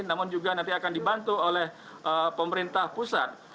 namun juga nanti akan dibantu oleh pemerintah pusat